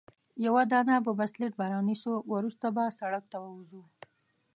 یوه دانه بوبسلیډ به رانیسو، وروسته به سړک ته ووځو.